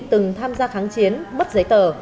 từng tham gia kháng chiến bất giấy tờ